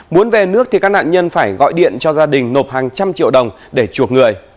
muốn về nước thì các nạn nhân phải gọi điện cho gia đình nộp hàng trăm triệu đồng để chuộc người